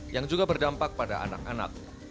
yang juga berdampak pada anak anak